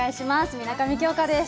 水上京香です。